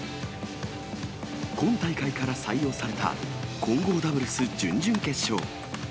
今大会から採用された混合ダブルス準々決勝。